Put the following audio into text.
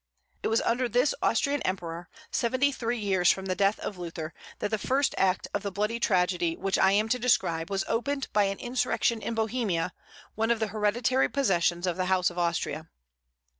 It was under this Austrian emperor, seventy three years from the death of Luther, that the first act of the bloody tragedy which I am to describe was opened by an insurrection in Bohemia, one of the hereditary possessions of the House of Austria.